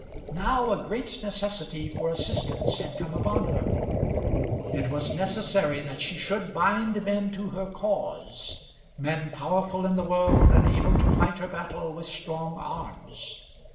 Now a great necessity for assistance had come upon her. It was necessary that she should bind men to her cause, men powerful in the world and able to fight her battle with strong arms.